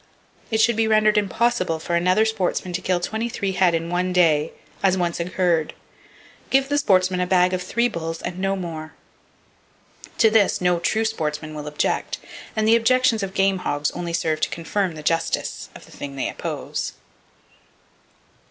It should be rendered impossible for another sportsman to kill twenty three head in one day, as once occurred. Give the sportsman a bag of three bulls, and no more. To this, no true sportsman will object, and the objections of game hogs only serve to confirm the justice of the thing they oppose.